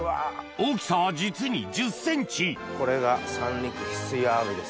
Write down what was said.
大きさは実に１０ｃｍこれが三陸翡翠あわびです。